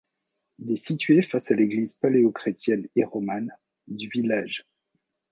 Il est situé face à l'église paléochrétienne et romane du village.